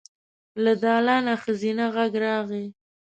له دالانه ښځينه غږ راغی.